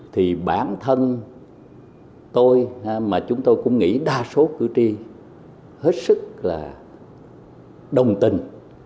thì bản thân tôi mà chúng tôi cũng nghĩ đa số cử tri hết sức là đồng tình